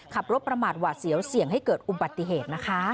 ขับรถประมาทหวาดเสียวเสี่ยงให้เกิดอุบัติเหตุนะคะ